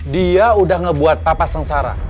dia udah ngebuat papa sengsara